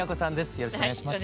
よろしくお願いします。